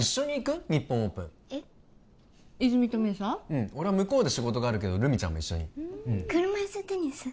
うん俺は向こうで仕事があるけど留美ちゃんも一緒に車いすテニス？